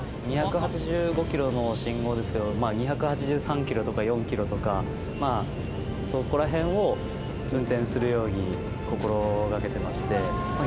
２８５キロの信号ですけど、２８３キロとか４キロとか、そこらへんを運転するように心がけてまして。